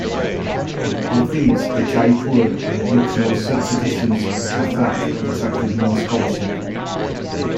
Of these the Jaipur and Lucknow sub-traditions of Kathak have attracted more scholarship.